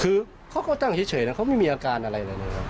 คือเขาก็ตั้งเฉยนะเขาไม่มีอาการอะไรเลยนะครับ